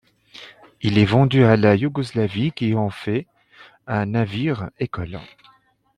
Il est vendu à la Yougoslavie qui en fait un navire-école.